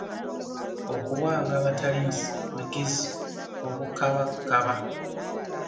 Okuwanga abatalins magezi obukabakaba .